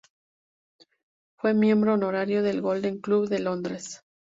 Fue miembro honorario del Golden Club de Londres.